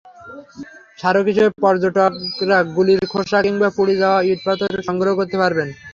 স্মারক হিসেবে পর্যটকেরা গুলির খোসা কিংবা পুড়ে যাওয়া ইট-পাথর সংগ্রহ করতে পারবেন।